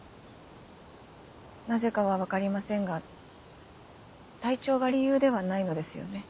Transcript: なぜかは分かりませんが体調が理由ではないのですよね？